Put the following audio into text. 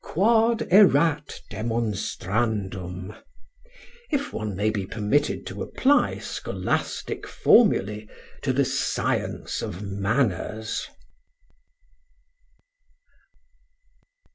Quod erat demonstrandum if one may be permitted to apply scholastic formulae to the science of manners.